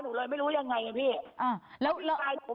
หนูเลยไม่รู้ยังไงไงพี่